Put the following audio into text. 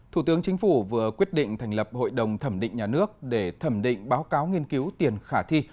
thủ tướng chính phủ vừa quyết định thành lập hội đồng thẩm định nhà nước để thẩm định báo cáo nghiên cứu tiền khả thi